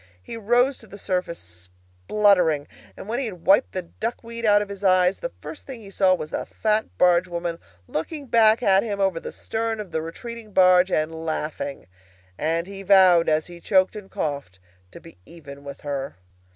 He rose to the surface spluttering, and when he had wiped the duck weed out of his eyes the first thing he saw was the fat barge woman looking back at him over the stern of the retreating barge and laughing; and he vowed, as he coughed and choked, to be even with her.